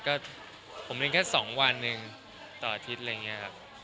ก็ผมเรียนแค่๒วันเองต่ออาทิตย์อะไรอย่างนี้ครับ